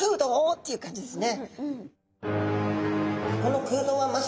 っていう感じですね。